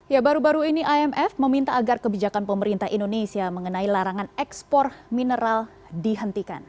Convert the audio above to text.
ya baru baru ini imf meminta agar kebijakan pemerintah indonesia mengenai larangan ekspor mineral dihentikan